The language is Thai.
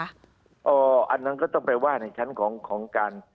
อันนั้นก็ต้องไปว่าในชั้นของการ